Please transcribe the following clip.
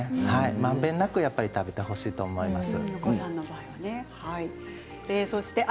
まんべんなく食べてほしいと思います。